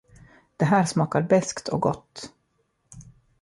Det här smakar beskt och gott.